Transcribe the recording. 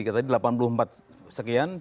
kita tadi delapan puluh empat sekian